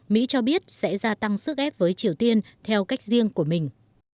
mỹ cho biết sẽ gia tăng sức ép với triều tiên theo cách riêng của mình